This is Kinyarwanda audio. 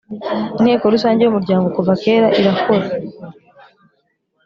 Inteko rusange y Umuryango kuva kera irakora